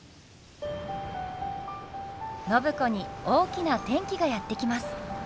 暢子に大きな転機がやって来ます！